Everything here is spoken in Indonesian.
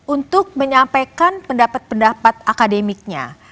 untuk menyampaikan pendapat pendapat akademiknya